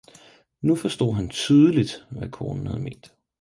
Nu forstod han tydeligt hvad konen havde ment.